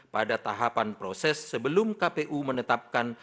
pada tahapan proses sebelum kpu menetapkan